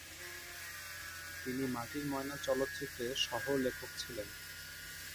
তিনি "মাটির ময়না" চলচ্চিত্রের সহ-লেখক ছিলেন।